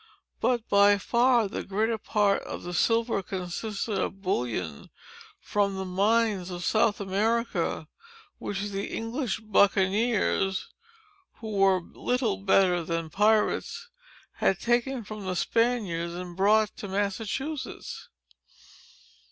But by far the greater part of the silver consisted of bullion from the mines of South America, which the English buccaniers—(who were little better than pirates)—had taken from the Spaniards, and brought to Massachusetts.